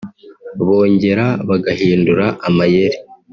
bongera bagahindura amayeri